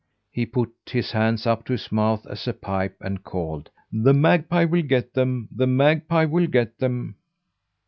He put his hands up to his mouth, as a pipe, and called: "The magpie will get them. The magpie will get them."